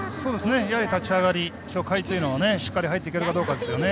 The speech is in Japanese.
立ち上がり初回というのは、しっかり入っていけるかどうかですよね。